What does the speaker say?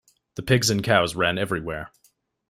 The pigs and cows ran everywhere.